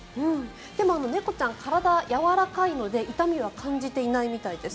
でも、猫ちゃん体がやわらかいので痛みは感じていないみたいです。